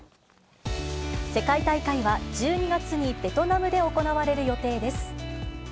世界大会は１２月にベトナムで行われる予定です。